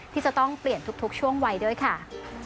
ที่จะต้องเปลี่ยนทุกช่วงวัยด้วยค่ะ